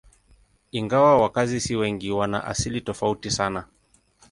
Ingawa wakazi si wengi, wana asili tofauti sana.